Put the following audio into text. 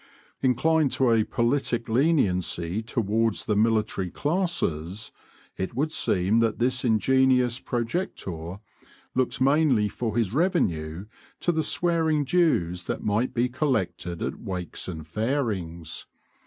Inclined to a politic leniency towards the military classes, it would seem that this ingenious projector looked mainly for his revenue to the swearing dues that might be collected at wakes and fairings.